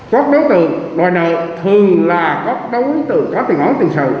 các đối tượng đòi nợ thường là các đối tượng có tiền ổn tiền sầu